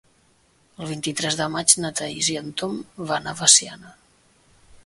El vint-i-tres de maig na Thaís i en Tom van a Veciana.